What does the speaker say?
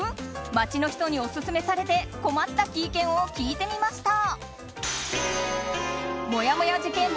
街の人にオススメされて困った経験を聞いてみました。